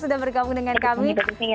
sudah bergabung dengan kami